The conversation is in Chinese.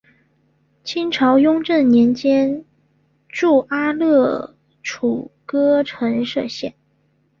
清朝雍正年间筑阿勒楚喀城设县。